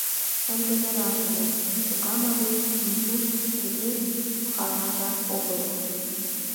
Ындыже раш ыле: кока марий Вийду кугу хӓрражак огыл.